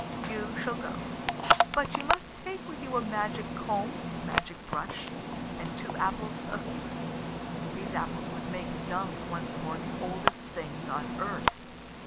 You shall go. But you must take with you a magic comb, a magic brush, and two apples of youth. These apples would make young once more the oldest things on earth."